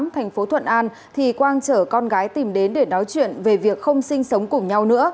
thành phố thuận an thì quang chở con gái tìm đến để nói chuyện về việc không sinh sống cùng nhau nữa